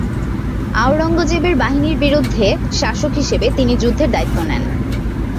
আওরঙ্গজেবের বাহিনীর বিরুদ্ধে, শাসক হিসেবে, তিনি যুদ্ধের দায়িত্ব নেন।